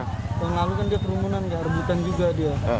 tahun lalu kan dia kerumbunan tidak rebutan juga dia